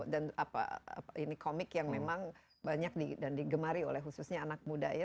dan ini komik yang memang banyak dan digemari oleh khususnya anak mudanya